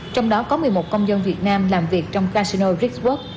trong đó có một mươi một công dân việt nam làm việc trong casino richwork